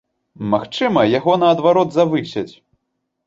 Магчыма, яго наадварот завысяць!